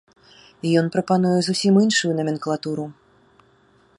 Ён прапануе зусім іншую наменклатуру.